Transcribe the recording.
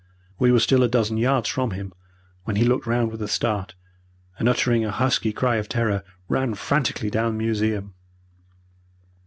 We were still a dozen yards from him when he looked round with a start, and uttering a husky cry of terror, ran frantically down the museum.